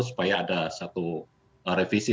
supaya ada satu revisi